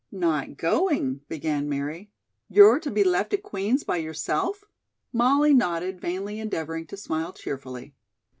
"Not going?" began Mary. "You're to be left at Queen's by yourself?" Molly nodded, vainly endeavoring to smile cheerfully.